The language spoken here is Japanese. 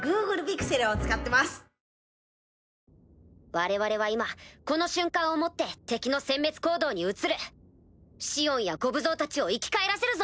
我々は今この瞬間をもって敵の殲滅行動に移るシオンやゴブゾウたちを生き返らせるぞ！